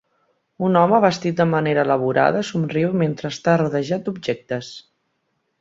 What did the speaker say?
Un home, vestit de manera elaborada, somriu mentre està rodejat d'objectes.